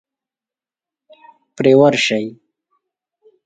پرې ورشئ.